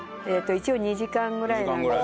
一応２時間ぐらいなんですけど。